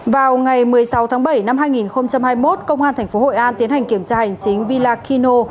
vào ngày một mươi sáu tháng bảy năm hai nghìn hai mươi một công an tp hội an tiến hành kiểm tra hành chính vlakino